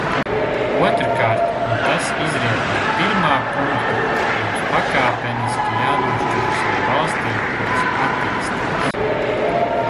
Otrkārt, un tas izriet no pirmā punkta, mums pakāpeniski jānošķiras no valstīm, kuras attīstās.